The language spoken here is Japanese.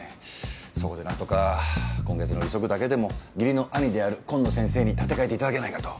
そこで何とか今月の利息だけでも義理の兄である紺野先生に立て替えていただけないかと。